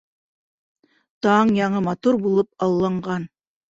Таң яңы матур булып алланған.